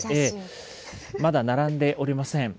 まだ並んでおりません。